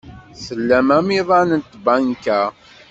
Tlam amiḍan n tbanka?